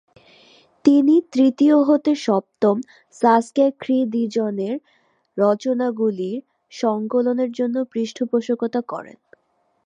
তিনি তৃতীয় হতে সপ্তম সা-স্ক্যা-খ্রি-'দ্জিনের রচনাগুলির সঙ্কলনের জন্য পৃষ্ঠপোষকতা করেন।